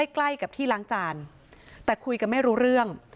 ใกล้กับที่ล้างจานแต่คุยกันไม่รู้เรื่อง